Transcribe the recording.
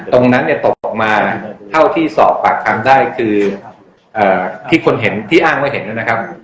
ตรงนั้นตกมาเท่าที่สอบปากทำได้คือที่อ้างไม่เห็นนะครับ